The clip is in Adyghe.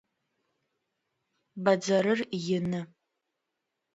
Бадзэрыр ины.